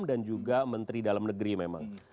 dan juga menteri dalam negeri memang